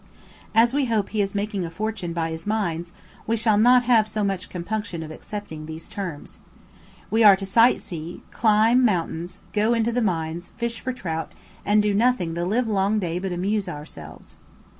As we hope he is making a fortune by his mines, we shall not have so much compunction of accepting these terms. We are to sight see, climb I mountains, go into the mines, fish for trout, and do nothing the live long day but amuse ourselves.